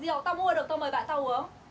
rượu tao mua được tao mời bạn tao uống